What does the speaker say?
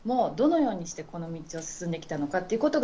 どのようにしてこの道を進んできたのか。